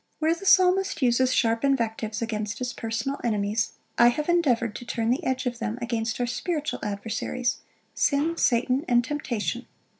"Where the Psalmist uses sharp invectives against his personal enemies, I have endeavoured to turn the edge of them against our spiritual adversaries, sin, Satan, and temptation.